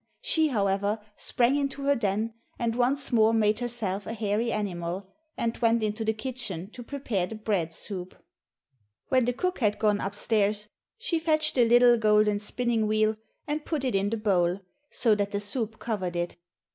She, however, sprang into her den, and once more made herself a hairy animal, and went into the kitchen to prepare the bread soup. When the cook had gone up stairs, she fetched the little golden spinning wheel, and put it in the bowl so that the soup covered it.